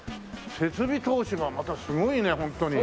設備投資がまたすごいねホントに。